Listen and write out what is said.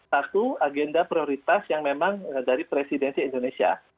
satu agenda prioritas yang memang dari presidensi indonesia